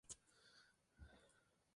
Actuaba en el puesto de mediocampista.